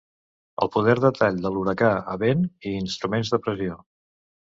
El poder de tall de l'huracà a vent i instruments de pressió.